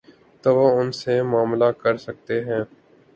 تو وہ ان سے معاملہ کر سکتے ہیں۔